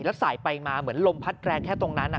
แล้วสายไปมาเหมือนลมพัดแรงแค่ตรงนั้น